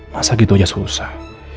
masa gitu aja susah